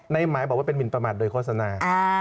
ในหมายบอกว่าเป็นหมินประมาทโดยโฆษณา